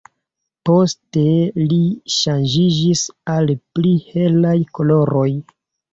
Poste li ŝanĝiĝis al pli helaj koloroj.